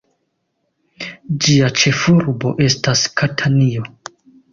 Ĝia ĉefurbo estas Katanio.